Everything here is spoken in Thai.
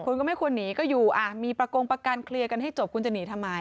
คุณก็ไม่ควรหนีก็อยู่มีประกงประกันเคลียร์กันให้จบคุณจะหนีทำไม